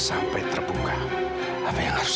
sampai terbuka apa yang harus